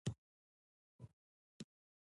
د موضوع په اړه په همدې کس د موضوع ګټې بیانوئ.